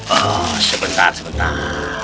oh sebentar sebentar